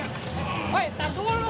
ada satu orang